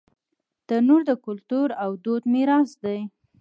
تنور د کلتور او دود میراث دی